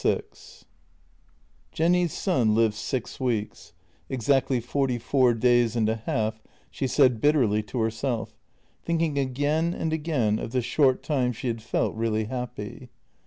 VI J ENNY'S son lived six weeks — exactly fourty four days and a half, she said bitterly to herself, thinking again and again of the short time she had felt really happy.